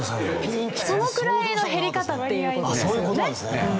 そのくらいの減り方っていう事ですよね。